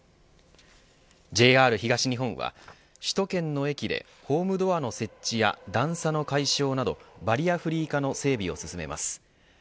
ＪＲ東日本は首都圏の駅でホームドアの設置や段差の解消などバリアフリー化の整備を進めます。